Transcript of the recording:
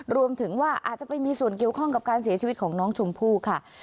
รวมถึงว่าอาจจะไปมีส่วนเกี่ยวข้องกับการเสียชีวิตของน้องชมพู่ค่ะ